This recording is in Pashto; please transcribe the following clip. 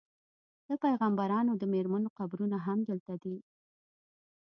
د پیغمبرانو د میرمنو قبرونه هم دلته دي.